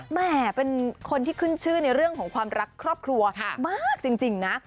แม่เป็นคนที่ขึ้นชื่อในเรื่องของความรักครอบครัวมากจริงนะ